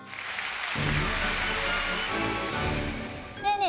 ねえねえ